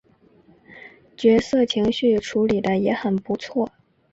角色情绪处理的也很不错